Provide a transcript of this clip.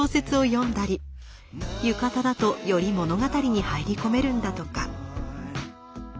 浴衣だとより物語に入り込めるんだとか。